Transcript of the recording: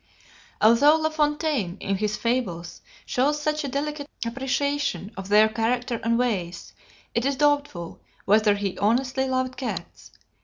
Although La Fontaine in his fables shows such a delicate appreciation of their character and ways, it is doubtful whether he honestly loved cats.